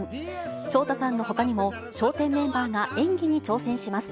昇太さんのほかにも、笑点メンバーが演技に挑戦します。